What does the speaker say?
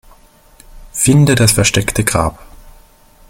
Finde das versteckte Grab.